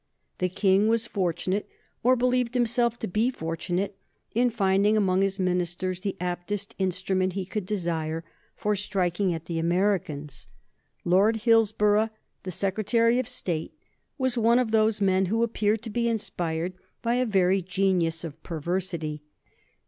The King was fortunate, or believed himself to be fortunate, in finding among his ministers the aptest instrument he could desire for striking at the Americans. Lord Hillsborough, the Secretary of State, was one of those men who appear to be inspired by a very genius of perversity.